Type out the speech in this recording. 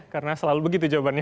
karena selalu begitu jawabannya